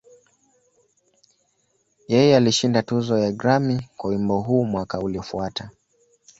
Yeye alishinda tuzo ya Grammy kwa wimbo huu mwaka uliofuata.